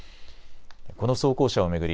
この装甲車を巡り